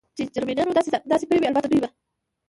چې جرمنیانو دې داسې کړي وي، البته دوی به.